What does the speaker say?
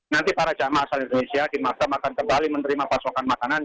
nanti para jemaah asal indonesia di masam akan kembali menerima pasokan makanan